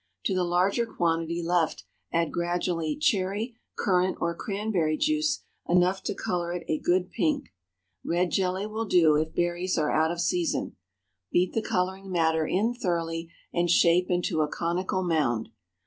To the larger quantity left add gradually, cherry, currant, or cranberry juice enough to color it a good pink. Red jelly will do if berries are out of season. Beat the coloring matter in thoroughly, and shape into a conical mound.